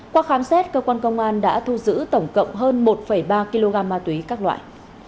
qua khám xét cơ quan công an đã thu giữ tổng cộng hơn một ba kg ma túy các loại